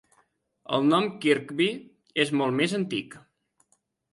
El nom Kirkby és molt més antic.